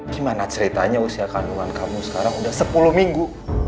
gimana ceritanya usia kandungan kamu sekarang udah sepuluh minggu